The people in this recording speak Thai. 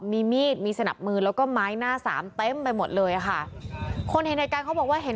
มีมีดมีสนับมือแล้วก็ไม้หน้าสามเต็มไปหมดเลยค่ะคนเห็นเหตุการณ์เขาบอกว่าเห็น